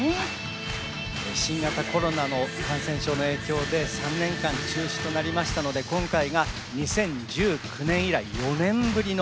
新型コロナの感染症の影響で３年間中止となりましたので今回が２０１９年以来４年ぶりの。